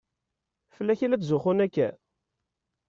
Fell-ak i la tzuxxun akka?